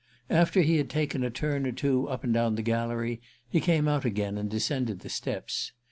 After he had taken a turn or two up and down the gallery he came out again and descended the steps.